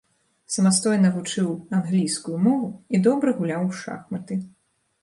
Самастойна вучыў англійскую мову і добра гуляў у шахматы.